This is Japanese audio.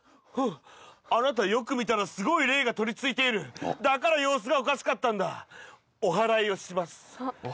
あっあなたよく見たらすごい霊が取り憑いているだから様子がおかしかったんだお祓い？